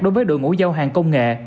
đối với đội ngũ giao hàng công nghệ